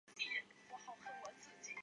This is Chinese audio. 在场上司职右后卫。